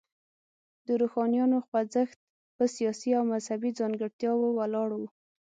د روښانیانو خوځښت په سیاسي او مذهبي ځانګړتیاوو ولاړ و.